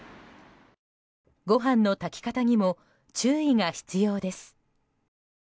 ご飯の炊き方にも注意が必要です。